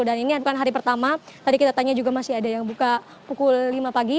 dan ini bukan hari pertama tadi kita tanya juga masih ada yang buka pukul lima pagi